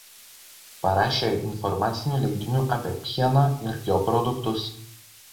Parašė informacinių leidinių apie pieną ir jo produktus.